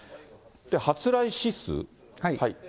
発雷指数。